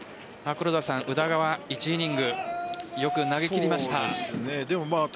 宇田川、１イニングよく投げきりました。